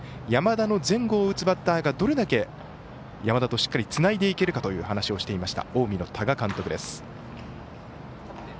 山田の前後を打つバッターがどれだけ山田にしっかりつないでいけるかという話をしていました近江の多賀監督。